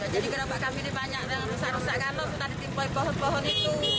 jadi gerobak kami ini banyak yang rusak rusak kalau kita ditimpai pohon pohon itu